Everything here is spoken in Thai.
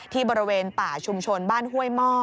ที่บริเวณป่าชุมชนบ้านห้วยหม้อ